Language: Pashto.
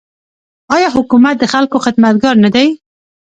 آیا حکومت د خلکو خدمتګار نه دی؟